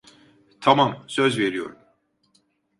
Tamam, söz veriyorum.